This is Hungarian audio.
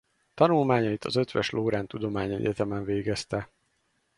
Tanulmányait az Eötvös Loránd Tudományegyetemen végezte.